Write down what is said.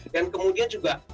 dan kemudian juga